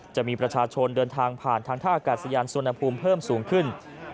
จะมีประชาชนเดินทางผ่านทางท่าอากาศยานสวนภูมิเพิ่มสูงขึ้น